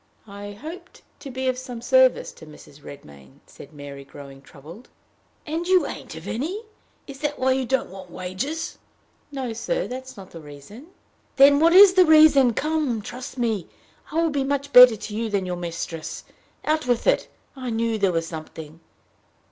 "I hoped to be of some service to Mrs. Redmain," said Mary, growing troubled. "And you ain't of any? Is that why you don't want wages?" "No, sir. That is not the reason." "Then what is the reason? Come! Trust me. I will be much better to you than your mistress. Out with it! I knew there was something!"